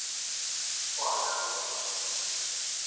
破膽蛇